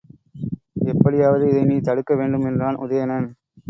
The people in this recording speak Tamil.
எப்படியாவது இதை நீ தடுக்க வேண்டும் என்றான் உதயணன்.